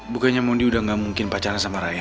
bukannya mon di udah gak mungkin pacaran sama raya